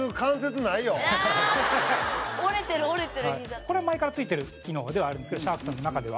これは前からついてる機能ではあるんですけどシャークさんの中では。